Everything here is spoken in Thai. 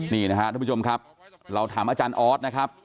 นี่นะครับทุกผู้ชมครับเราถามอาจารย์ออสนะครับ